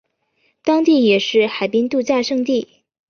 当地也是海滨度假胜地。